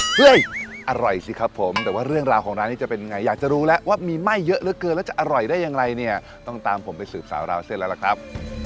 เฮ้ยอร่อยสิครับผมแต่ว่าเรื่องราวของร้านนี้จะเป็นไงอยากจะรู้แล้วว่ามีไหม้เยอะเหลือเกินแล้วจะอร่อยได้อย่างไรเนี่ยต้องตามผมไปสืบสาวราวเส้นแล้วล่ะครับ